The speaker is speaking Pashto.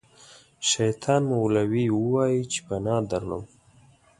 شیطان مو غولوي ووایئ چې پناه دروړم.